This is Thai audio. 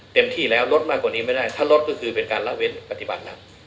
เต็มที่แล้วลดมากกว่านี้ไม่ได้ถ้าลดก็คือเป็นการละเว้นปฏิบัติหนัก